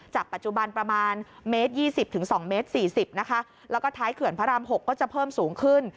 ปัจจุบันประมาณเมตร๒๐๒เมตร๔๐นะคะแล้วก็ท้ายเขื่อนพระราม๖ก็จะเพิ่มสูงขึ้น